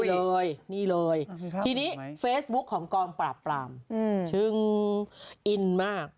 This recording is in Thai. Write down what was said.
นี่เลยนี่เลยทีนี้เฟซบุ๊คของกองปราบปรามถึงอินมาก